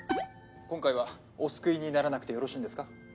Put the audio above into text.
今回はお救いにならなくてよろしいんですか？